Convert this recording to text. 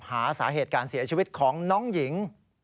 หาสาเหตุการเสียชีวิตของน้องหญิง